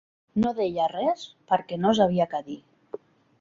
No deia res, perquè no sabia què dir